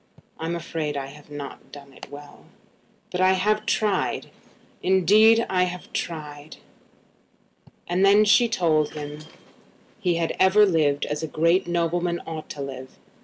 "I'm afraid I have not done it well; but I have tried; indeed I have tried." Then she told him he had ever lived as a great nobleman ought to live.